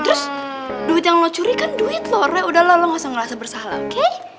terus duit yang lo curi kan duit re udah lah lo nggak usah ngerasa bersalah oke